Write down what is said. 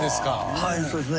はいそうですね。